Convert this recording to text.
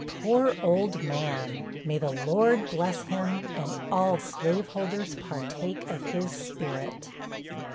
Poor old man, may the Lord bless him, and all slave holders partake of his spirit!